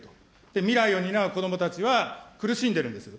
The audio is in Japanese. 未来を担う子どもたちは、苦しんでるんです。